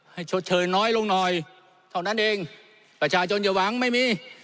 ชดเชยน้อยลงหน่อยเท่านั้นเองประชาชนอย่าหวังไม่มี